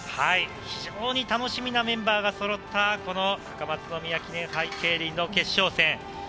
非常に楽しみなメンバーがそろった高松宮記念杯競輪の決勝です。